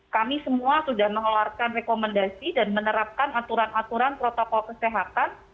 kami semua sudah mengeluarkan rekomendasi dan menerapkan aturan aturan protokol kesehatan